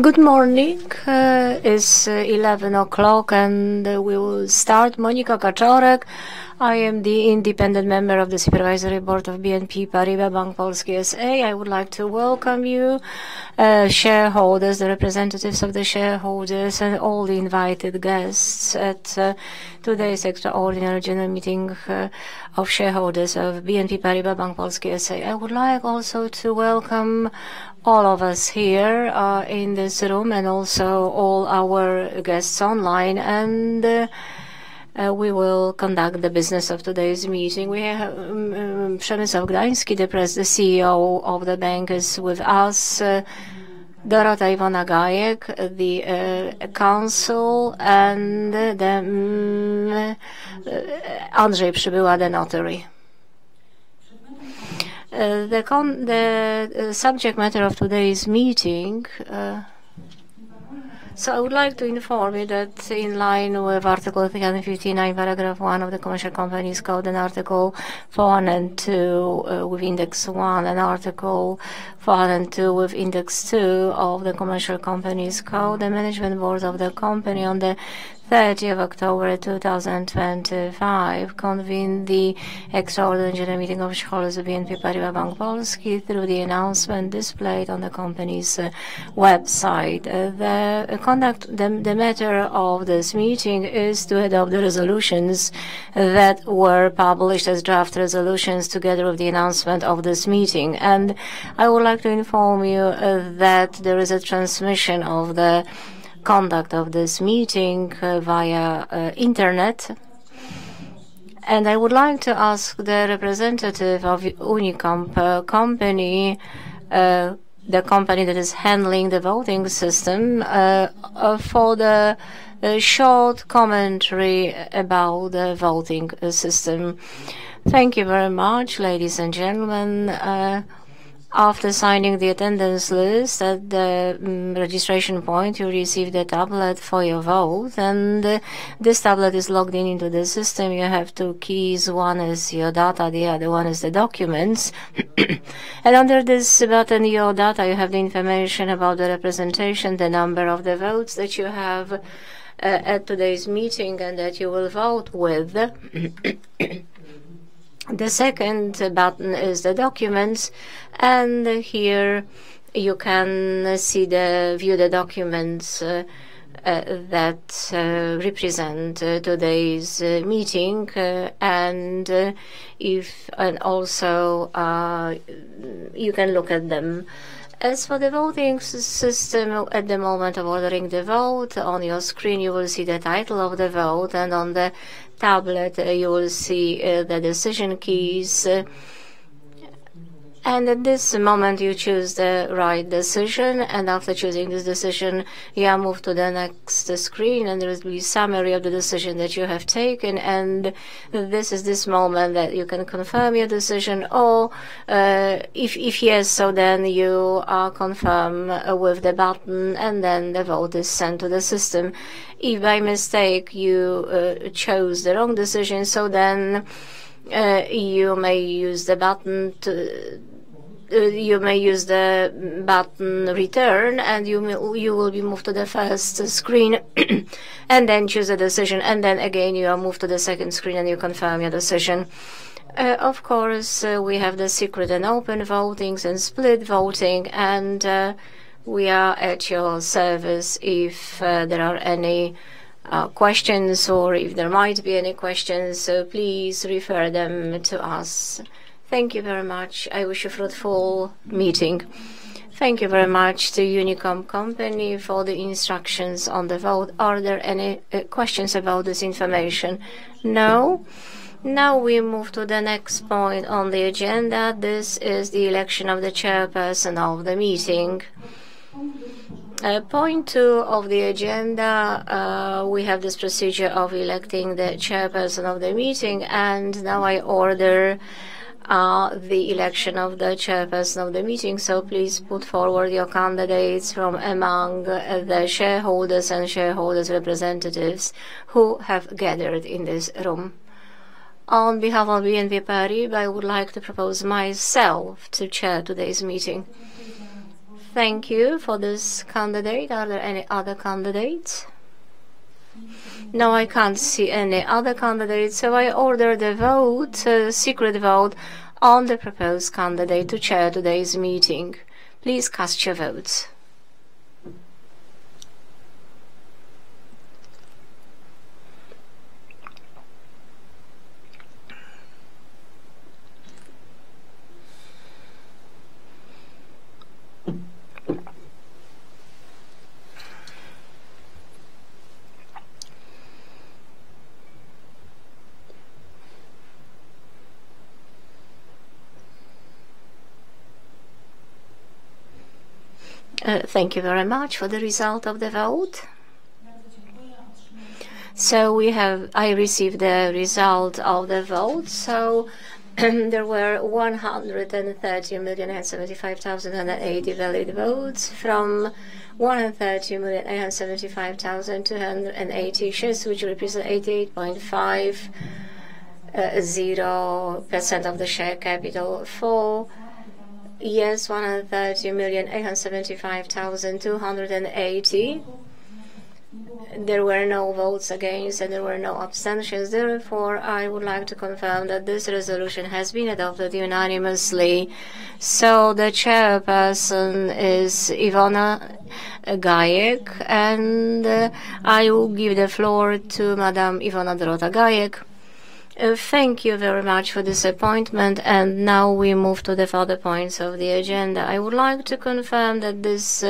Good morning. It's 11:00, and we will start. Monika Kaczorek, I am the independent member of the Supervisory Board of BNP Paribas Bank Polska S.A.. I would like to welcome you, shareholders, the representatives of the shareholders, and all the invited guests at today's extraordinary general meeting of shareholders of BNP Paribas Bank Polska S.A.. I would like also to welcome all of us here in this room and also all our guests online, and we will conduct the business of today's meeting. We have Przemysław Gdański, the CEO of the bank, is with us, Dorota Iwona Gajek, the counsel, and Andrzej Przybyła, the notary. The subject matter of today's meeting, so I would like to inform you that in line with Article 359, Paragraph 1 of the Commercial Companies Code and Article 402 with Index 1, and Article 402 with Index 2 of the Commercial Companies Code, the Management Board of the Company on the 30th of October 2025 convened the extraordinary general meeting of shareholders of BNP Paribas Bank Polska through the announcement displayed on the company's website. The matter of this meeting is to adopt the resolutions that were published as draft resolutions together with the announcement of this meeting. I would like to inform you that there is a transmission of the conduct of this meeting via internet. I would like to ask the representative of Unicomp Company, the company that is handling the voting system, for the short commentary about the voting system. Thank you very much, ladies and gentlemen. After signing the attendance list at the registration point, you receive the tablet for your vote. This tablet is logged in into the system. You have two keys. One is your data, the other one is the documents. Under this button, your data, you have the information about the representation, the number of the votes that you have at today's meeting and that you will vote with. The second button is the documents. Here you can see the view the documents that represent today's meeting. You can also look at them. As for the voting system, at the moment of ordering the vote, on your screen you will see the title of the vote, and on the tablet you will see the decision keys. At this moment you choose the right decision. After choosing this decision, you are moved to the next screen, and there will be a summary of the decision that you have taken. This is the moment that you can confirm your decision. If yes, you confirm with the button, and then the vote is sent to the system. If by mistake you chose the wrong decision, you may use the return button, and you will be moved to the first screen. Then choose a decision, and again you are moved to the second screen and you confirm your decision. Of course, we have the secret and open votings and split voting. We are at your service if there are any questions, or if there might be any questions, please refer them to us. Thank you very much. I wish you a fruitful meeting. Thank you very much to Unicomp Company for the instructions on the vote. Are there any questions about this information? No. Now we move to the next point on the agenda. This is the election of the chairperson of the meeting. Point two of the agenda, we have this procedure of electing the chairperson of the meeting. I order the election of the chairperson of the meeting. Please put forward your candidates from among the shareholders and shareholders' representatives who have gathered in this room. On behalf of BNP Paribas, I would like to propose myself to chair today's meeting. Thank you for this candidate. Are there any other candidates? No, I can't see any other candidates. I order the vote, secret vote on the proposed candidate to chair today's meeting. Please cast your votes. Thank you very much for the result of the vote. I received the result of the vote. There were 130,075,080 valid votes from 130,075,280 shares, which represent 88.50% of the share capital. For Yes, 130,075,280. There were no votes against, and there were no abstentions. Therefore, I would like to confirm that this resolution has been adopted unanimously. The chairperson is Dorota Iwona Gajek, and I will give the floor to Madame Dorota Iwona Gajek. Thank you very much for this appointment. Now we move to the further points of the agenda. I would like to confirm that this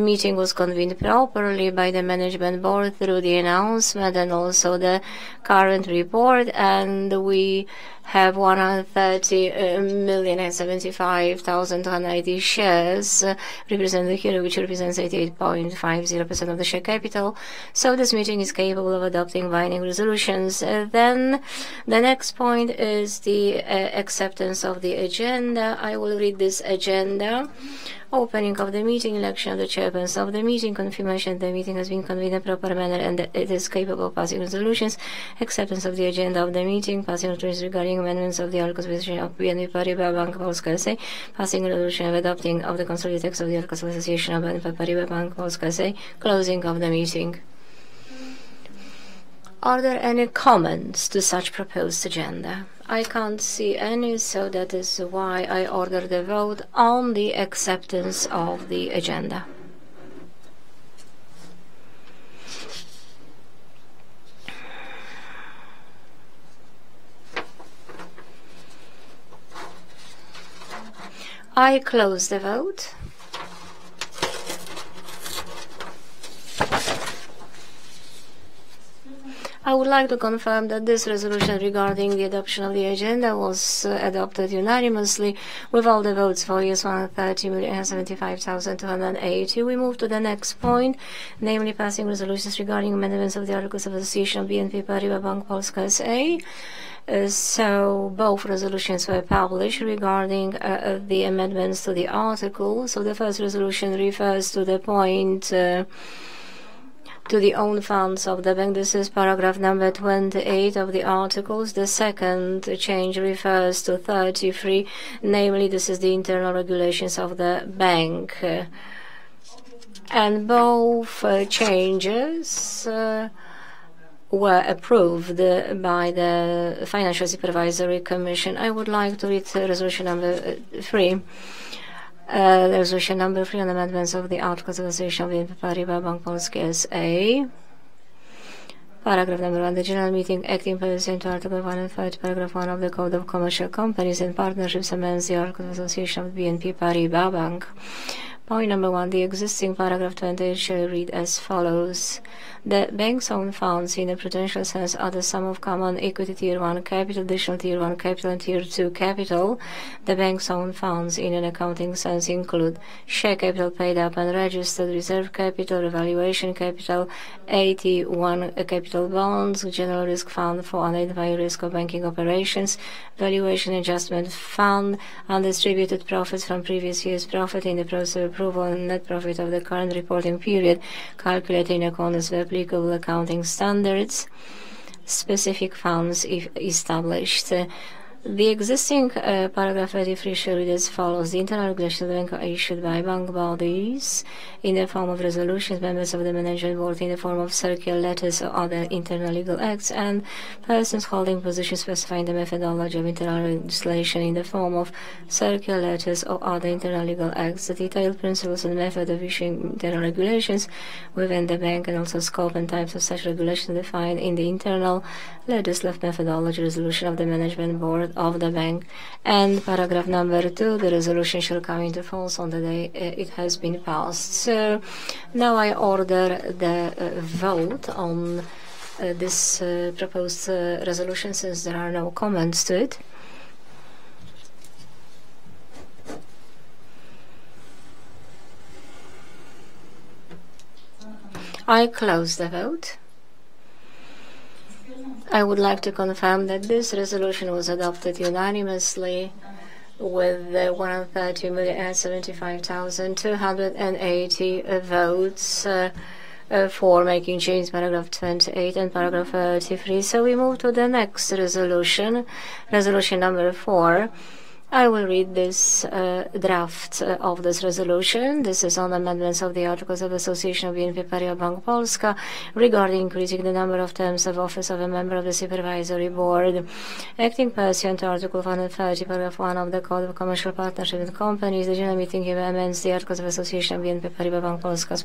meeting was convened properly by the Management Board through the announcement and also the current report. We have 130,075,280 shares represented here, which represents 88.50% of the share capital. This meeting is capable of adopting binding resolutions. The next point is the acceptance of the agenda. I will read this agenda. Opening of the meeting, election of the chairperson of the meeting, confirmation that the meeting has been convened in proper manner and that it is capable of passing resolutions, acceptance of the agenda of the meeting, passing resolutions regarding amendments of the Articles of Association of BNP Paribas Bank Polska S.A., passing resolution of adopting of the consolidated text of the Articles of Association of BNP Paribas Bank Polska S.A., closing of the meeting. Are there any comments to such proposed agenda? I can't see any, that is why I order the vote on the acceptance of the agenda. I close the vote. I would like to confirm that this resolution regarding the adoption of the agenda was adopted unanimously with all the votes for Yes, 130,075,280. We move to the next point, namely passing resolutions regarding amendments of the articles of association of BNP Paribas Bank Polska S.A.. Both resolutions were published regarding the amendments to the articles. The first resolution refers to the point to the own funds of the bank. This is paragraph number 28 of the articles. The second change refers to 33, namely this is the internal regulations of the bank. Both changes were approved by the Financial Supervisory Authority. I would like to read resolution number three, resolution number three on amendments of the articles of association of BNP Paribas Bank Polska S.A.. Paragraph number one, the general meeting acting pursuant to Article 105, paragraph 1 of the Commercial Companies Code amends the articles of association of BNP Paribas Bank. Point number one, the existing paragraph 28 shall read as follows. The bank's own funds in the prudential sense are the sum of common equity, Tier 1 Capital, Additional Tier 1 Capital, and Tier 2 Capital. The bank's own funds in an accounting sense include share capital paid up and registered reserve capital, evaluation capital, 81 capital bonds, general risk fund for unidentified risk of banking operations, valuation adjustment fund, undistributed profits from previous year's profit in the process of approval and net profit of the current reporting period, calculating according to applicable accounting standards, specific funds established. The existing paragraph 33 shall read as follows. The internal regulations of the bank are issued by bank bodies in the form of resolutions, members of the Management Board in the form of circular letters or other internal legal acts, and persons holding positions specifying the methodology of internal legislation in the form of circular letters or other internal legal acts. The detailed principles and method of issuing internal regulations within the bank and also scope and types of such regulations are defined in the internal legislative methodology resolution of the Management Board of the bank. Paragraph number two, the resolution shall come into force on the day it has been passed. I order the vote on this proposed resolution since there are no comments to it. I close the vote. I would like to confirm that this resolution was adopted unanimously with 130,075,280 votes for making change, paragraph 28 and paragraph 33. We move to the next resolution, resolution number four. I will read this draft of this resolution. This is on amendments of the Articles of Association of BNP Paribas Bank Polska regarding increasing the number of terms of office of a member of the Supervisory Board. Acting pursuant to Article 130, paragraph 1 of the Commercial Companies Code, the general meeting amends the Articles of Association of BNP Paribas Bank Polska.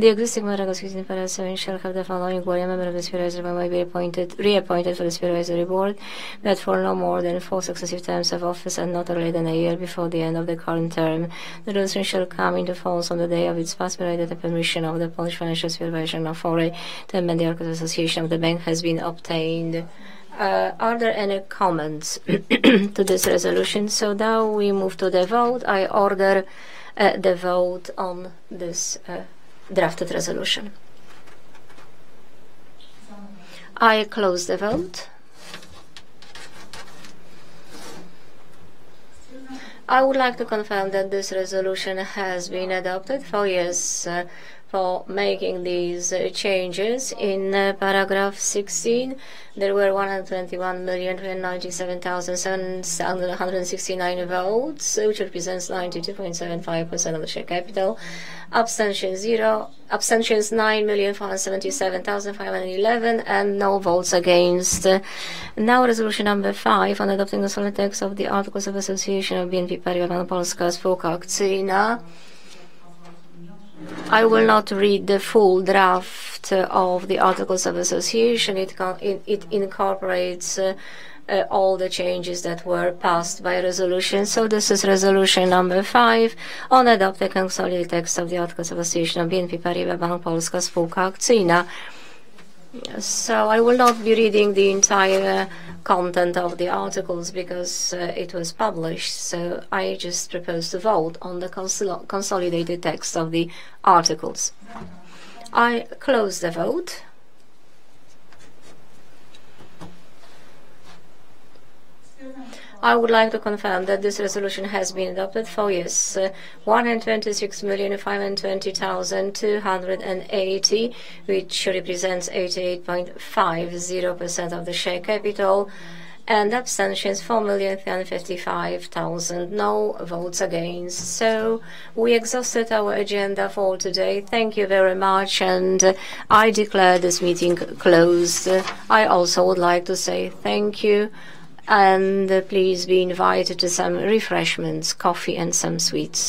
The existing paragraph 16, paragraph 7 shall have the following: A member of the Supervisory Board may be reappointed for the Supervisory Board but for no more than four successive terms of office and not earlier than a year before the end of the current term. The resolution shall come into force on the day it is passed, provided that the permission of the Polish Financial Supervisory Authority to amend the Articles of Association of the bank has been obtained. Are there any comments to this resolution? Now we move to the vote. I order the vote on this drafted resolution. I close the vote. I would like to confirm that this resolution has been adopted for Yes, for making these changes. In paragraph 16, there were 121,097,769 votes, which represents 92.75% of the share capital. Abstentions 9,477,511 and no votes against. Now resolution number five on adopting the solid text of the articles of association of BNP Paribas Bank Polska spółka akcyjna. I will not read the full draft of the articles of association. It incorporates all the changes that were passed by resolution. This is resolution number five on adopting consolidated text of the articles of association of BNP Paribas Bank Polska spółka akcyjna. I will not be reading the entire content of the articles because it was published. I just propose to vote on the consolidated text of the articles. I close the vote. I would like to confirm that this resolution has been adopted for Yes, 126,020,280, which represents 88.5% of the share capital. Abstentions 4,355,000, no votes against. We exhausted our agenda for today. Thank you very much. I declare this meeting closed. I also would like to say thank you. Please be invited to some refreshments, coffee, and some sweets.